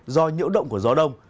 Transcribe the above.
do nhiễu động của gió đông